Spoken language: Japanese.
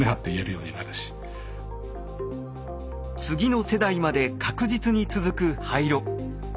次の世代まで確実に続く廃炉。